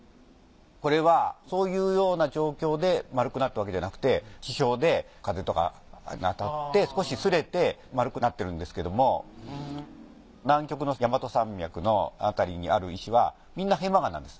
これはそういうような状況で丸くなったわけじゃなくて地表で風とかに当たって少しすれて丸くなってるんですけれども南極のやまと山脈の辺りにある石はみんな片麻岩なんです。